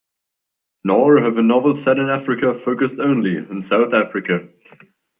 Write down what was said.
Nor have her novels set in Africa focused only on South Africa.